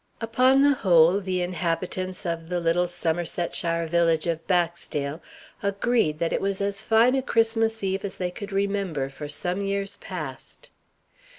Upon the whole, the inhabitants of the little Somersetshire village of Baxdale agreed that it was as fine a Christmas eve as they could remember for some years past.